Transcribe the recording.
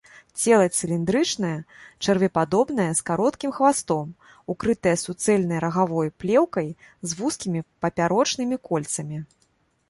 Цела цыліндрычнае, чэрвепадобнае, з кароткім хвастом, укрытае суцэльнай рагавой плеўкай э вузкімі папярочнымі кольцамі.